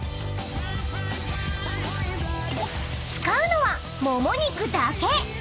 ［使うのはもも肉だけ］